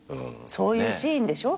そういうシーンでしょ？